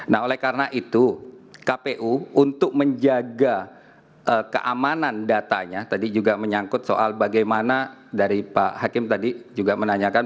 nah oleh karena itu kpu untuk menjaga keamanan datanya tadi juga menyangkut soal bagaimana dari pak hakim tadi juga menanyakan